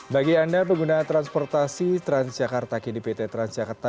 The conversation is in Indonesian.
bagi anda pengguna transportasi transjakarta kdpt transjakarta